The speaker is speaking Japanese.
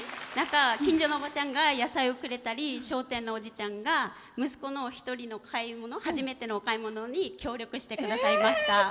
近所のおばちゃんが野菜をくれたり商店のおじちゃんが息子の一人の初めてのお買い物に協力してくださいました。